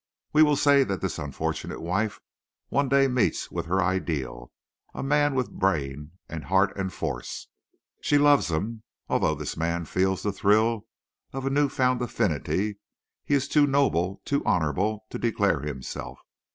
We will say that this unfortunate wife one day meets with her ideal—a man with brain and heart and force. She loves him. Although this man feels the thrill of a new found affinity he is too noble, too honourable to declare himself.